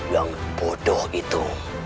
yang bodoh itu